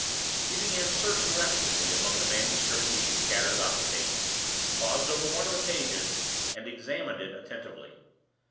He began searching restlessly among the manuscript leaves scattered about the table, paused over one of the pages, and examined it attentively.